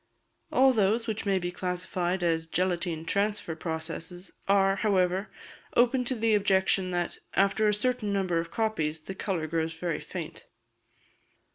All those which may be classed as "gelatine transfer" processes are, however, open to the objection that, after a certain number of copies, the colour grows very faint.